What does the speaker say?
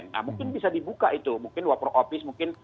nah mungkin bisa dibuka itu mungkin water office mungkin